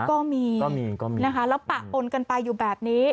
ก็มีก็มีนะคะแล้วปะปนกันไปอยู่แบบนี้